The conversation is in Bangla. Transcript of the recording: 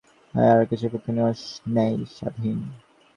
আর আকাশের পক্ষীর ন্যায় স্বাধীন।